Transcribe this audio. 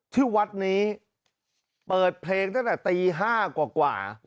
ที่วัดนี้เปิดเพลงตั้งแต่ตี๕กว่า